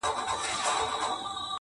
یوه ورځ په دې جرګه کي آوازه سوه،